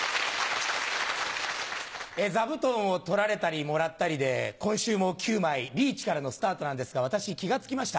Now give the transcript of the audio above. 座布団を取られたりもらったりで今週も９枚リーチからのスタートなんですが私気が付きました。